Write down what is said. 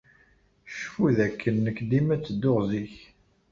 Cfu dakken nekk dima ttedduɣ zik.